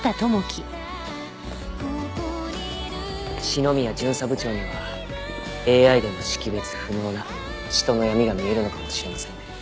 篠宮巡査部長にはＡＩでも識別不能な人の闇が見えるのかもしれませんね。